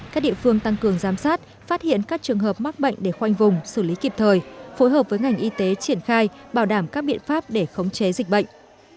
các địa phương tăng cường giám sát phát hiện các trường hợp mắc bệnh để khoanh vùng xử lý kịp thời phối hợp với ngành y tế triển khai bảo đảm các biện pháp để khống chế dịch bệnh